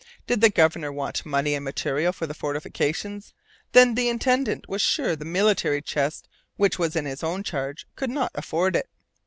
Did the governor want money and material for the fortifications? Then the intendant was sure the military chest, which was in his own charge, could not afford it.